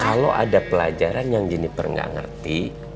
kalau ada pelajaran yang jeniper gak ngerti